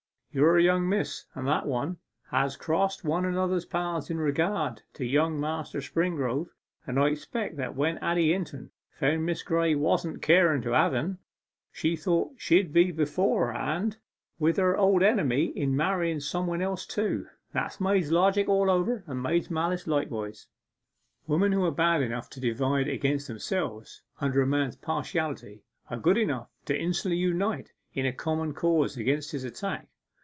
Your young miss, and that one, had crossed one another's path in regard to young Master Springrove; and I expect that when Addy Hinton found Miss Graye wasn't caren to have en, she thought she'd be beforehand with her old enemy in marrying somebody else too. That's maids' logic all over, and maids' malice likewise.' Women who are bad enough to divide against themselves under a man's partiality are good enough to instantly unite in a common cause against his attack.